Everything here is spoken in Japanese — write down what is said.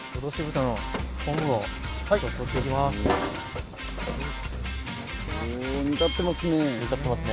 おぉ煮立ってますね。